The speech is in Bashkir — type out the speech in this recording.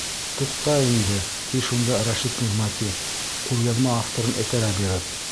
— Туҡта инде, — ти шунда Рәшит Ниғмәти, ҡулъяҙма авторын этәрә биреп.